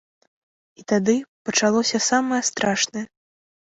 І тады пачалося самае страшнае.